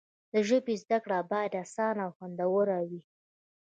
د ژبې زده کړه باید اسانه او خوندوره وي.